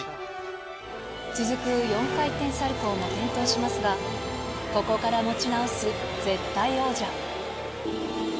続く４回転サルコーも転倒しますが、ここから持ち直す絶対王者。